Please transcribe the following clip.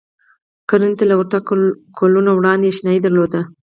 کرنې ته له ورتګ کلونه وړاندې اشنايي درلوده.